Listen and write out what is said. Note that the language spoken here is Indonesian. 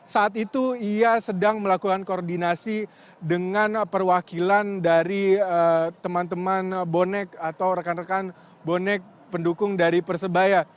saat itu ia sedang melakukan koordinasi dengan perwakilan dari teman teman bonek atau rekan rekan bonek pendukung dari persebaya